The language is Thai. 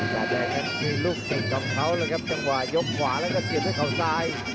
จาแดงนั้นมีลูกติดของเขาเลยครับจังหวะยกขวาแล้วก็เสียบด้วยเขาซ้าย